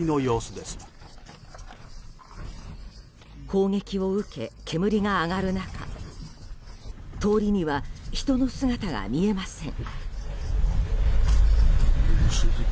砲撃を受け、煙が上がる中通りには人の姿が見えません。